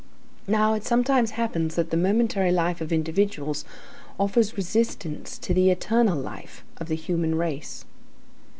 Now, it sometimes happens, that the momentary life of individuals offers resistance to the eternal life of the human race.